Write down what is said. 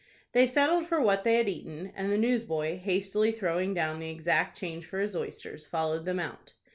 They settled for what they had eaten, and the newsboy, hastily throwing down the exact change for his oysters, followed them out.